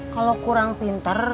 kalau kurang pinter